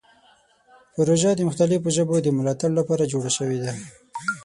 پروژه د مختلفو ژبو د ملاتړ لپاره جوړه شوې ده.